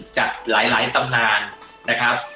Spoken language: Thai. จากหลายตำนานนะครับ